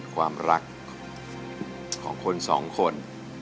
ความรักของคนสองคน